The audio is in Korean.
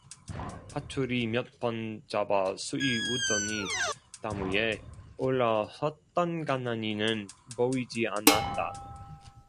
밧줄이 몇 번 잡아쓰이우더니 담 위에 올라섰던 간난이는 보이지 않았다.